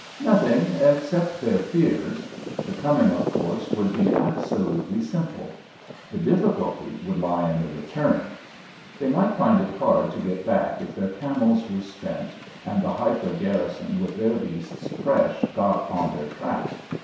"Nothing, except their fears. The coming, of course, would be absolutely simple. The difficulty would lie in the return. They might find it hard to get back if their camels were spent and the Haifa garrison with their beasts fresh got on their track.